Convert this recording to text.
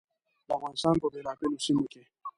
د افغانستان په بېلابېلو سیمو کې.